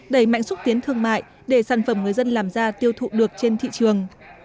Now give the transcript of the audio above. đẩy mạnh xúc tiến thương mại để sản phẩm người dân làm ra tiêu thụ được trên thị trường